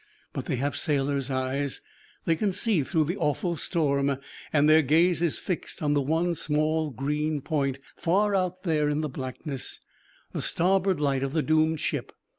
But they have sailors' eyes; they can see through the awful storm; and their gaze is fixed on one small green point far out there in the blackness the starboard light of the doomed ship.